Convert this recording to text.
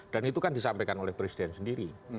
dan itu kan disampaikan oleh presiden sendiri